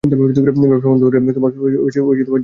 ব্যবসা বন্ধ করে তোমাকে জেলে ভরে দিচ্ছিল ওরা।